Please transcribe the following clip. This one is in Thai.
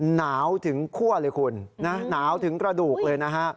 หนาวถึงคั่วเลยคุณนะหนาวถึงกระดูกเลยนะฮะ